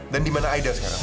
dan dimana aida sekarang